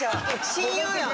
親友やん。